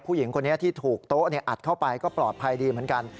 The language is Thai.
ผู้หญิงคนนี้ที่ถูกโต๊ะอัดเข้าไปก็ปลอดภัยดีเหมือนกัน